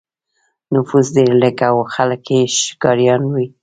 نفوس ډېر لږ و او خلک یې ښکاریان وو.